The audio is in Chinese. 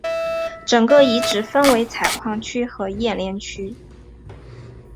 整个遗址分为采矿区和冶炼区。